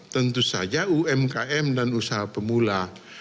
tentu saja umkm dan usaha pemula